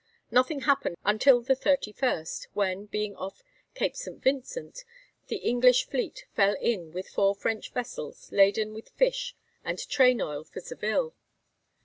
Nothing happened until the 31st, when, being off Cape St. Vincent, the English fleet fell in with four French vessels laden with fish and train oil for Seville.